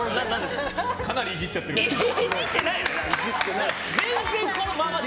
かなりいじっちゃってるから。